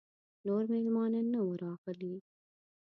نور مېلمانه نه وه راغلي.